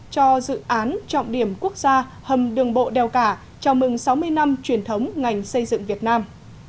cho dự án trọng điểm quốc gia hầm đường bộ đèo cả chào mừng sáu mươi năm truyền thống ngành xây dựng việt nam